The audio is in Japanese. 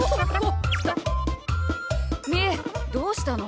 みーどうしたの？